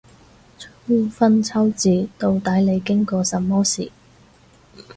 春分秋至，到底你經過什麼事